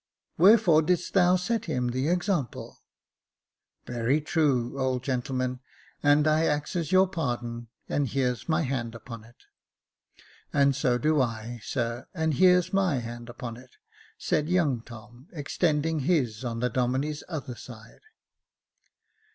Wherefore didst thou set him the example ?" "Very true, old gentleman, and I axes your pardon and here's my hand upon it." " And so do I, sir, and here's my hand upon it," said young Tom, extending his on the Domine's other side.